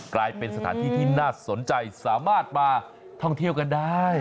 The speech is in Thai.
กลายเป็นสถานที่ที่น่าสนใจสามารถมาท่องเที่ยวกันได้